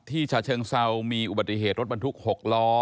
ฉะเชิงเซามีอุบัติเหตุรถบรรทุก๖ล้อ